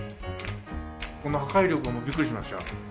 この破壊力にびっくりしました。